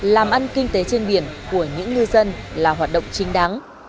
làm ăn kinh tế trên biển của những ngư dân là hoạt động chính đáng